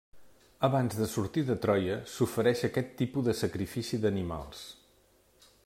Abans de sortir de Troia, s'ofereix aquest tipus de sacrifici d'animals.